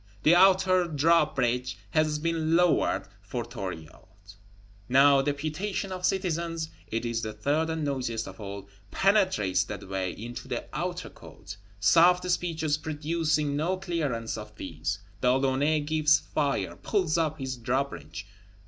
The Outer Drawbridge has been lowered for Thuriot; now deputation of citizens (it is the third and noisiest of all) penetrates that way into the Outer Court; soft speeches producing no clearance of these, De Launay gives fire; pulls up his drawbridge.